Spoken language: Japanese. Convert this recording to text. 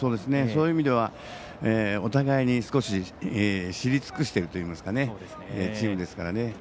そういう意味ではお互いに少し知り尽くしてるチームですからね。